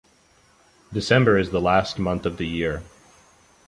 December is the last month of the year.